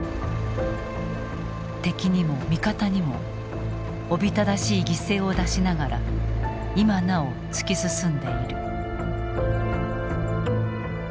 敵にも味方にもおびただしい犠牲を出しながら今なお突き進んでいる。